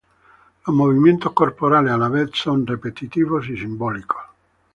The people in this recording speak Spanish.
Los movimientos corporales a la vez son repetitivos y simbólicos.